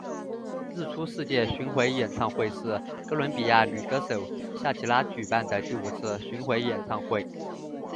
日出世界巡回演唱会是哥伦比亚女歌手夏奇拉举办的第五次巡回演唱会。